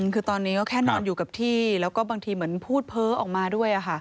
คือตอนนี้ก็แค่นอนอยู่กับที่แล้วก็บางทีเหมือนพูดเพ้อออกมาด้วย